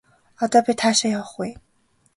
Одоо бид хаашаа явах вэ?